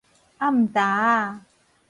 暗礁仔